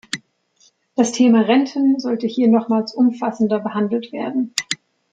Das Thema Renten sollte hier nochmals umfassender behandelt werden.